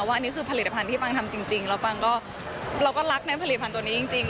ว่าอันนี้คือผลิตภัณฑ์ที่ปังทำจริงแล้วปังก็เราก็รักในผลิตภัณฑ์ตัวนี้จริง